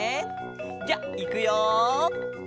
じゃあいくよ。